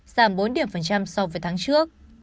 giảm bốn điểm phần trăm so với tháng trước